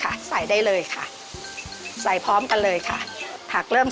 โรยไปเลยค่ะโรยพริก